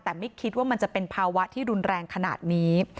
แต่ไม่คิดว่ามันจะเป็นภาวะที่รุนแรงขนาดนี้